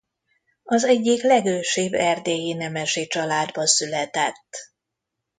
Az egyik legősibb erdélyi nemesi családba született.